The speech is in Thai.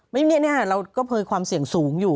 ไม่มีเนี่ยเราก็เพิ่งความเสี่ยงสูงอยู่